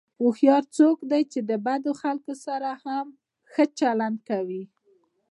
هوښیار څوک دی چې د بدو خلکو سره هم ښه چلند کوي.